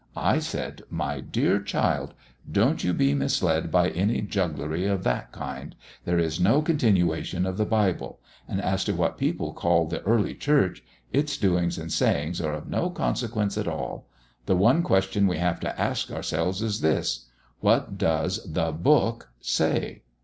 I said: 'My dear child, don't you be misled by any jugglery of that kind; there is no continuation of the Bible; and as to what people call the early church, its doings and sayings are of no consequence at all. The one question we have to ask ourselves is this: '"What does the Book say?"'